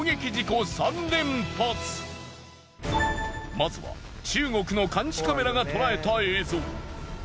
まずは中国の監視カメラがとらえた映像。